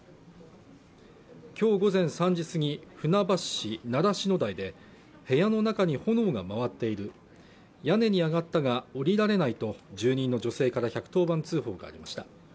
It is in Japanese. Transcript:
今日午前３時過ぎ船橋市、習志野台で部屋の中に炎が回っている屋根に上がったが降りられないと住人の女性から１１０番通報がありました